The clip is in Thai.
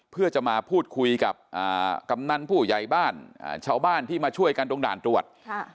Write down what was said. เพื่อจะมาพูดคุยกับกำนันผู้ใหญ่บ้านชาวบ้านที่มาช่วยกันตรงด่านตรวจ